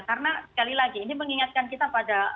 karena sekali lagi ini mengingatkan kita pada